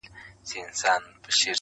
ناوړه چاپېریال د انسان ژوند اغېزمنوي.